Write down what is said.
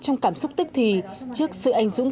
trong cảm xúc tức thì trước sự anh dũng